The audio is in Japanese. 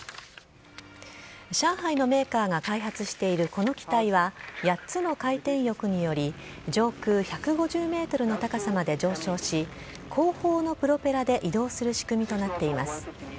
上海のメーカーが開発しているこの機体は、８つの回転翼により、上空１５０メートルの高さまで上昇し、後方のプロペラで移動する仕組みとなっています。